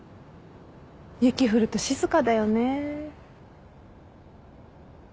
雪降ると静かだよね。